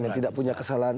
yang tidak punya kesalahan